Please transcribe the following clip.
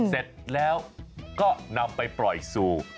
เสร็จแล้วก็นำไปปล่อยสู่